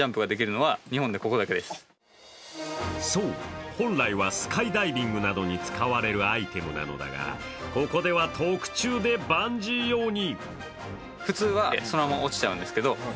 そう、本来はスカイダイビングなどに使われるアイテムなのだが、ここでは特注でバンジー用に。